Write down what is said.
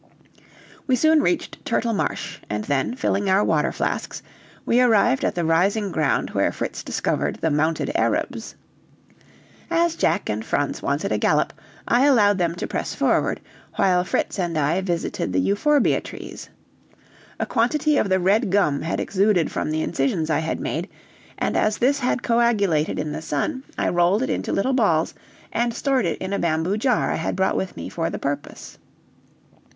We soon reached Turtle Marsh, and then, filling our water flasks, we arrived at the rising ground where Fritz discovered the mounted Arabs. As Jack and Franz wanted a gallop, I allowed them to press forward, while Fritz and I visited the euphorbia trees. A quantity of the red gum had exuded from the incisions I had made, and as this had coagulated in the sun, I rolled it into little balls and stored it in a bamboo jar I had brought with me for the purpose.